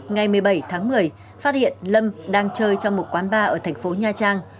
ngày một mươi bảy tháng một mươi phát hiện lâm đang chơi trong một quán bar ở thành phố nha trang